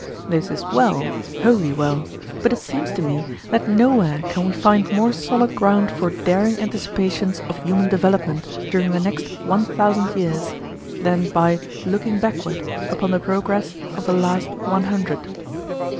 This is well, wholly well, but it seems to me that nowhere can we find more solid ground for daring anticipations of human development during the next one thousand years, than by "Looking Backward" upon the progress of the last one hundred.